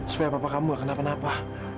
supaya papa kamu enggak kenapa napa